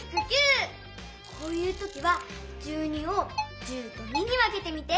こういうときは１２を１０と２にわけてみて。